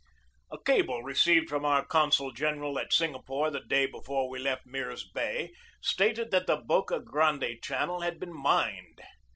A cable received from our consul general at Singa pore the day before we left Mirs Bay stated that the Boca Grande channel had been mined.